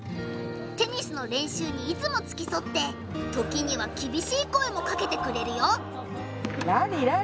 テニスの練習にいつもつきそって時にはきびしい声もかけてくれるよ。